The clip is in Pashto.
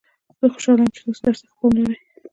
زه خوشحاله یم چې تاسو درس ته ښه پام لرئ